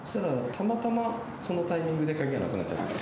たまたま、そのタイミングで鍵がなくなっちゃったの？